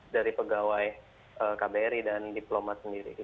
dari pegawai kbri dan diplomat sendiri